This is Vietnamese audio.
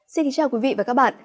xin chào quý vị và các bạn